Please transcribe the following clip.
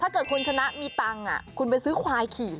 ถ้าเกิดคุณชนะมีตังค์คุณไปซื้อควายขี่